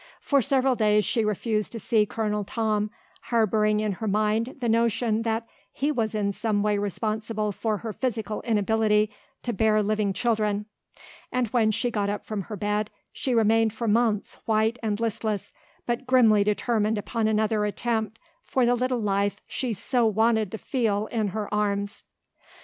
For several days she refused to see Colonel Tom, harbouring in her mind the notion that he was in some way responsible for her physical inability to bear living children, and when she got up from her bed, she remained for months white and listless but grimly determined upon another attempt for the little life she so wanted to feel in her arms.